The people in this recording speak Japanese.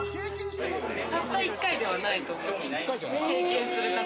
たった１回ではないと思います。